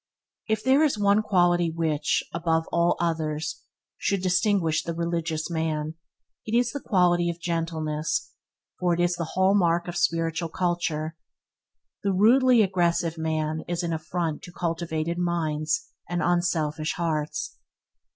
If there is one quality which, above all others, should distinguish the religious man, it is the quality of gentleness, for it is the hall mark of spiritual culture. The rudely aggressive man is an affront to cultivated minds and unselfish hearts.